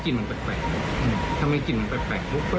เฮ้ยทำไมกลิ่นมันแปลก